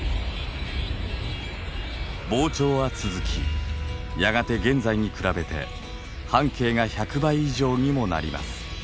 膨張は続きやがて現在に比べて半径が１００倍以上にもなります。